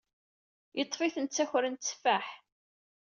Yeṭṭef-iten ttakren tteffaḥ.